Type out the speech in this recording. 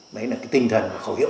đấy là cái tinh thần khẩu hiệu